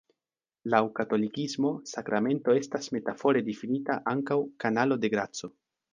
Laŭ katolikismo, sakramento estas metafore difinita ankaŭ "kanalo de graco".